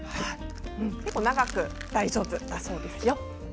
結構長く大丈夫だそうですよ。